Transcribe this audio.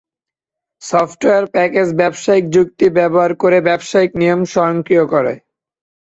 Software package ব্যবসায়িক যুক্তি ব্যবহার করে ব্যবসায়িক নিয়ম স্বয়ংক্রিয় করে।